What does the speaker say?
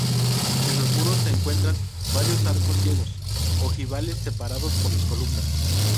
En los muros se encuentran varios arcos ciegos ojivales separados por las columnas.